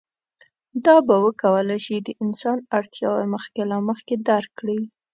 دا به وکولی شي د انسان اړتیاوې مخکې له مخکې درک کړي.